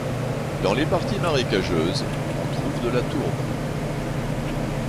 Dans les parties marécageuses, on trouve de la tourbe.